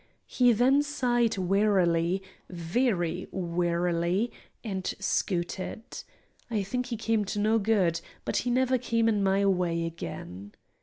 He then sighed wearily, very wearily, and scooted. I think he came to no good; but he never came in my way again.